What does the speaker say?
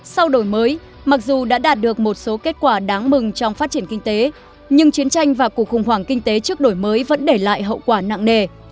sau đổi mới mặc dù đã đạt được một số kết quả đáng mừng trong phát triển kinh tế nhưng chiến tranh và cuộc khủng hoảng kinh tế trước đổi mới vẫn để lại hậu quả nặng nề